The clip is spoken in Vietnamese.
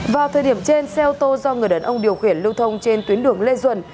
vào thời điểm trên xe ô tô do người đàn ông điều khiển lưu thông trên tuyến đường lê duẩn